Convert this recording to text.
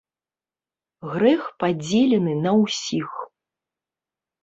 Грэх падзелены на ўсіх.